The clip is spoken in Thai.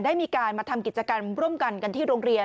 ได้มีการมาทำกิจกรรมร่วมกันกันที่โรงเรียน